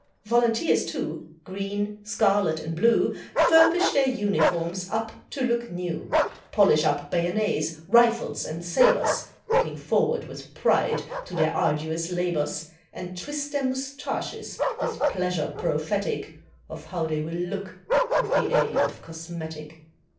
Volunteers, too, Green, scarlet, and blue, Furbish their uniforms up to look new, Polish up bayonets, rifles, and sabres, Looking forward with pride to their arduous labours, And twist their moustaches with pleasure prophetic Of how they will look with the aid of cosmetic.